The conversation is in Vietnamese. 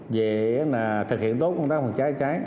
về thực hiện tốt công tác phòng cháy cháy